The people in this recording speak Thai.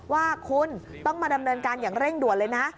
ว่าคุณต้องมาดำเนินการอย่างเร่งด่วนเลยนะ